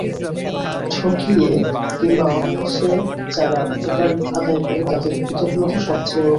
ঠকিয়ে কিংবা অনায়াসে যারা উপকার আদায় করে তাদের কৃতঘ্নতা সব-চেয়ে অকরুণ।